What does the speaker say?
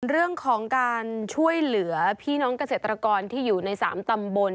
เรื่องของการช่วยเหลือพี่น้องเกษตรกรที่อยู่ใน๓ตำบล